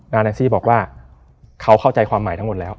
แอนซี่บอกว่าเขาเข้าใจความหมายทั้งหมดแล้ว